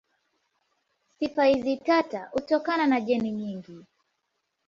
Sifa hizi tata hutokana na jeni nyingi.